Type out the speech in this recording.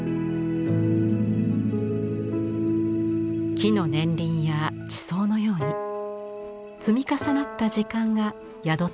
木の年輪や地層のように積み重なった時間が宿っています。